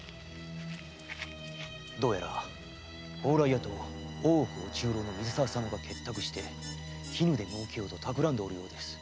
どうやら蓬莱屋と大奥御中臈の水澤様が結託して絹で儲けようと企んでいる様子。